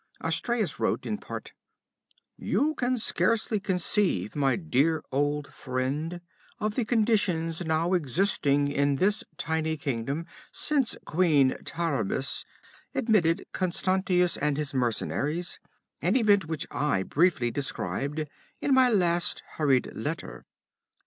Astreas wrote, in part: 'You can scarcely conceive, my dear old friend, of the conditions now existing in this tiny kingdom since Queen Taramis admitted Constantius and his mercenaries, an event which I briefly described in my last, hurried letter.